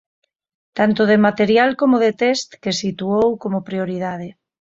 Tanto de material como de test, que situou como "prioridade".